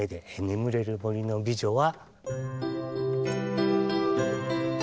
「眠れる森の美女」は。